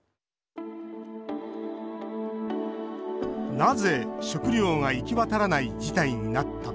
なぜ食料が行き渡らない事態になったのか。